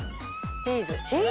チーズ。